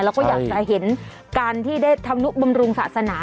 แล้วก็อยากจะเห็นการที่ได้ทำนุบำรุงศาสนา